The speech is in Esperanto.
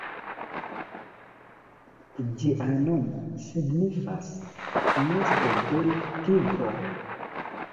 Ĝia nomo signifas "Nesto de la Tigro".